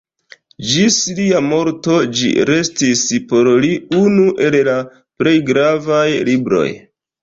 Ĝis lia morto ĝi restis por li unu el la plej gravaj libroj.